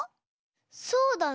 そうだね。